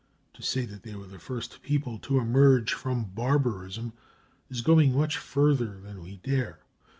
To say that they were the first people to emerge from barbarism is going much further than we dare.